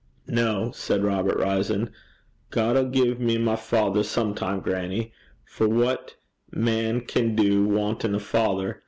No,' said Robert, rising, 'God 'ill gie me my father sometime, grannie; for what man can do wantin' a father?